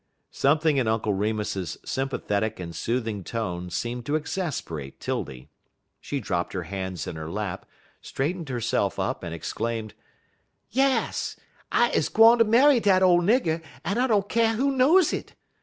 Something in Uncle Remus's sympathetic and soothing tone seemed to exasperate 'Tildy. She dropped her hands in her lap, straightened herself up and exclaimed: "Yas, I'm is gwine ter marry dat ole nigger an' I don't keer who knows it.